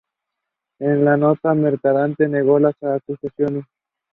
Each handmade piece is stamped with meaningful words and phrases.